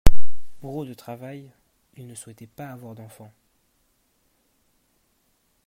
Bourreau de travail, il ne souhaitait pas avoir d'enfant.